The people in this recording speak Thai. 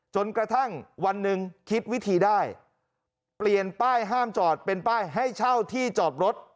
จนกระทั่งวันหนึ่งคิดวิธีได้เปลี่ยนป้ายห้ามจอดเป็นป้ายให้เช่าที่จอดรถ